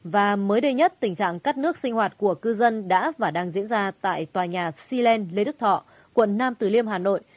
và mới đây nhất tình trạng cắt nước sinh hoạt của cư dân đã và đang diễn ra tại tòa nhà cilen lê đức thọ quận nam từ liêm hà nội